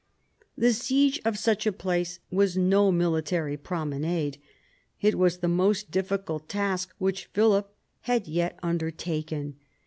The siege of such a place was no military promenade. It was the most difficult task which Philip had yet undertaken.